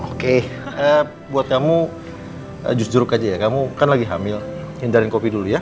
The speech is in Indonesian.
oke buat kamu justru aja ya kamu kan lagi hamil hindarin kopi dulu ya